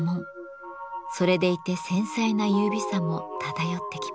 それでいて繊細な優美さも漂ってきます。